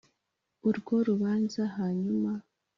urwo rubanza e Hanyuma